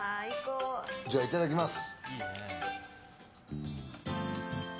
じゃあ、いただきます。